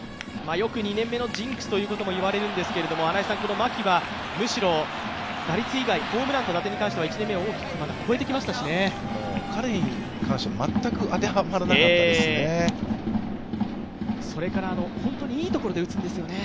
よく２年目のジンクスということも言われるんですけど、この牧はむしろ、打率以外ホームランと打点に関しては１年目を大きく超えてきましたからね。